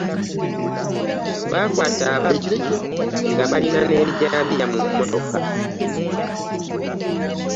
Baakwata ababbi nga balina ne ebijambiya mu mmotoka.